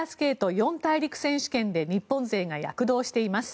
四大陸選手権で日本勢が躍動しています。